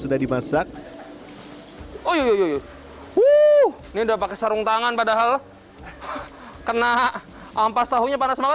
sudah dimasak oh yuk ini udah pakai sarung tangan padahal kena ampas tahunya panas banget